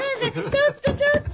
ちょっとちょっと！